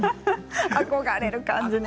憧れる感じね。